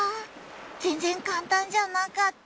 全然簡単じゃなかった。